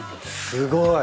すごい。